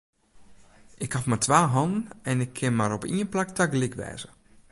Ik haw mar twa hannen en ik kin mar op ien plak tagelyk wêze.